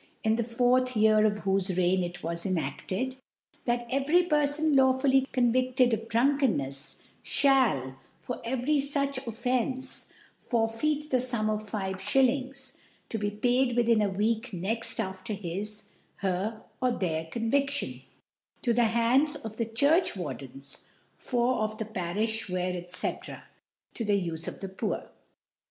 in the fourth Year of whofc Reign it was enafted, * That every Perfon law * fully convifted of Drunkennefs, fhall, for; * every fuch Offence, forfeit the Sum of * Five Shillings, to be paid within a Week * next after his, her, or their ConviSion, * to the Hands of rhe Churchwardens of * the Parifli where, fcf^ . to the Ufe of the * Poor.